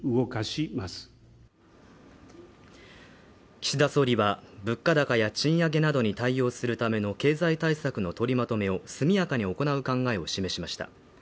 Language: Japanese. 岸田総理は物価高や賃上げなどに対応するための経済対策の取りまとめを速やかに行う考えを示しました